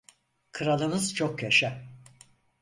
Kralımız çok yaşa!